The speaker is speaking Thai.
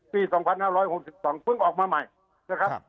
ปีสองพันห้าร้อยหกสิบสองเพิ่งออกมาใหม่นะครับ